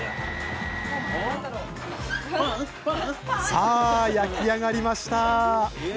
さあ焼き上がりました。